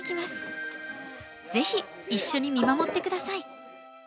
ぜひ一緒に見守って下さい。